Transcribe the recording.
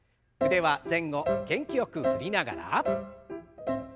腕は前後元気よく振りながら。